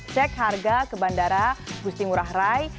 cek harga ke bandara gusti ngurah rai